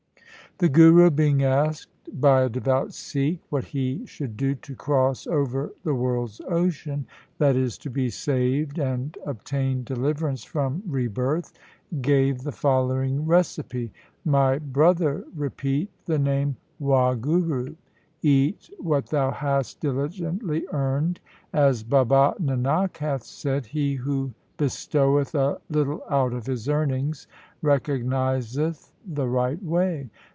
The Guru being asked by a devout Sikh what he should do to cross over the world's ocean, that is, to be saved and obtain deliverance from rebirth, gave the following recipe. ' My brother, repeat the name Wahguru. Eat what thou hast diligently earned. As Baba Nanak hath said, " He who bestoweth a little out of his earnings recognizeth the right way."